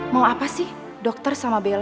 mau apa sih dokter sama bella